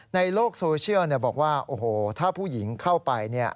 ในโลกโซเชียลบอกว่าโอ้โหถ้าผู้หญิงเข้าไป